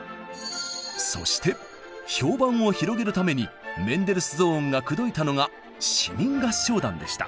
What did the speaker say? そして評判を広げるためにメンデルスゾーンが口説いたのが市民合唱団でした。